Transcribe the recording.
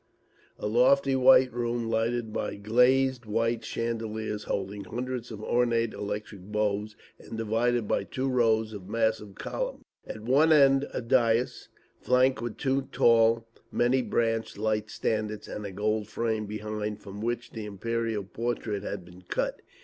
A lofty white room lighted by glazed white chandeliers holding hundreds of ornate electric bulbs, and divided by two rows of massive columns; at one end a dais, flanked with two tall many branched light standards, and a gold frame behind, from which the Imperial portrait had been cut.